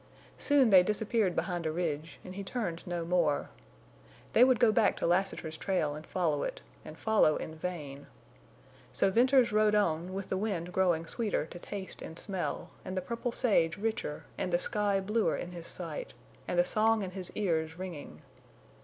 Soon they disappeared behind a ridge, and he turned no more. They would go back to Lassiter's trail and follow it, and follow in vain. So Venters rode on, with the wind growing sweeter to taste and smell, and the purple sage richer and the sky bluer in his sight; and the song in his ears ringing.